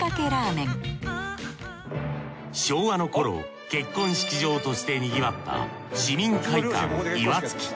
昭和の頃結婚式場としてにぎわった市民会館いわつき。